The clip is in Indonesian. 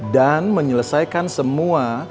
dan menyelesaikan semua